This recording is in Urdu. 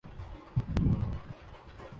بننا آسان نہیں ہوتا